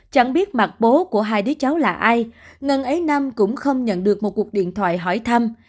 chẳng biết mặt bố của hai đứa cháu là ai ngân ấy nam cũng không nhận được một cuộc điện thoại hỏi thăm